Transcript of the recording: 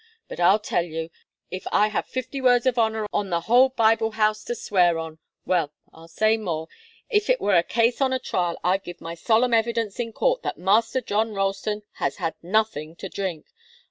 But I'll tell you if I had fifty words of honour and the whole Bible House to swear on well, I'll say more if it were a case of a trial, I'd give my solemn evidence in court that Master John Ralston has had nothing to drink.